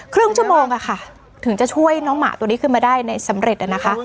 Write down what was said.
ครึ่งชั่วโมงอะค่ะถึงจะช่วยน้องหมาตัวนี้ขึ้นมาได้ในสำเร็จนะคะ